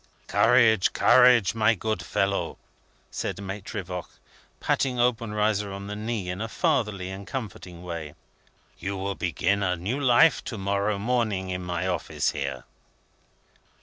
"Courage, courage, my good fellow!" said Maitre Voigt, patting Obenreizer on the knee, in a fatherly and comforting way. "You will begin a new life to morrow morning in my office here."